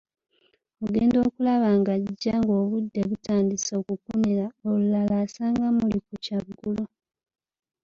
Ogenda okulaba ng'ajja ng'obudde butandise okukunira, olulala asanga muli ku kyaggulo.